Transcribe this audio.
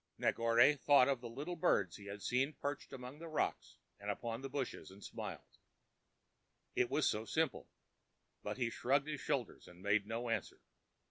Negore thought of the little birds he had seen perched among the rocks and upon the bushes, and smiled, it was so simple; but he shrugged his shoulders and made no answer.